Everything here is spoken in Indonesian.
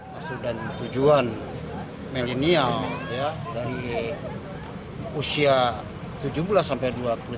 masuk dan tujuan milenial dari usia tujuh belas sampai dua puluh tiga